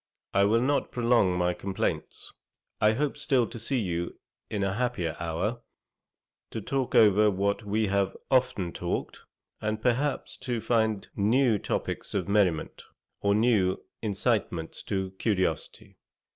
I will not prolong my complaints. I hope still to see you in a happier hour, to talk over what we have often talked, and perhaps to find new topicks of merriment, or new incitements to curiosity.